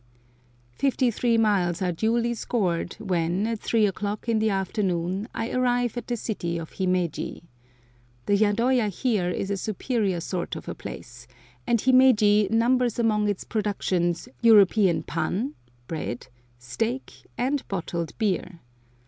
Fifty three miles are duly scored when, at three o'clock in the afternoon, I arrive at the city of Himeji. The yadoya here is a superior sort of a place, and Himeji numbers among its productions European pan (bread), steak, and bottled beer.